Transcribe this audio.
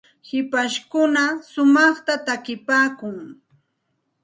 hipashkuna shumaqta takipaakun.